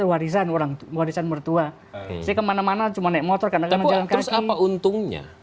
warisan orang warisan mertua saya kemana mana cuma naik motor kadang kadang menjalankan apa untungnya